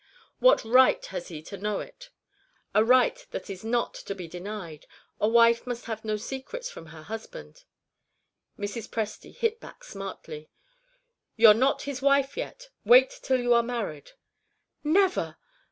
"What right has he to know it?" "A right that is not to be denied. A wife must have no secrets from her husband." Mrs. Presty hit back smartly. "You're not his wife yet. Wait till you are married." "Never!